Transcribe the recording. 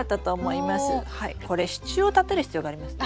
これ支柱を立てる必要がありますね。